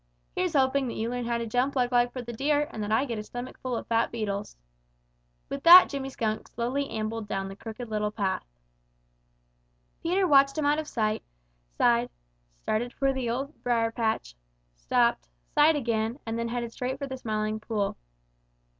"Here's hoping that you learn how to jump like Lightfoot the Deer, and that I get a stomachful of fat beetles." With that Jimmy Skunk slowly ambled along down the Crooked Little Path. Peter watched him out of sight, sighed, started for the dear Old Briar patch, stopped, sighed again, and then headed straight for the Smiling Pool.